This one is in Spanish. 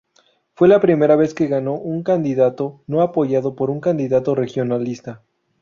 Fue la primera vez que ganó un candidato no apoyado por un candidato regionalista.